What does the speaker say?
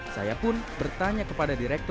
saya pun bertanya kepada direktur